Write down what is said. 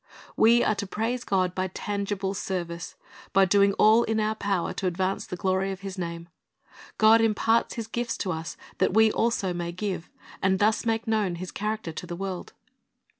We are to praise God by tangible service, by doing all in our power to advance the glory of His name. God imparts His gifts to us that we also may give, and thus make known His character to the world.